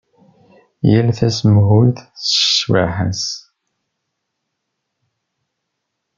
Yal tasemhuyt s ccbaḥa-s.